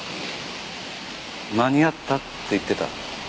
「間に合った」って言ってた。